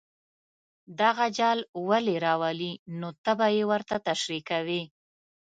دغه جال ولې راولي نو ته به یې ورته تشریح کوې.